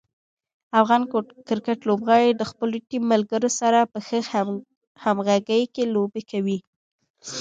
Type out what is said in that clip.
افغان کرکټ لوبغاړي د خپلو ټیم ملګرو سره په ښه همغږي کې لوبې کوي.